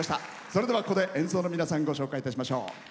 それでは、ここで演奏の皆さんご紹介いたしましょう。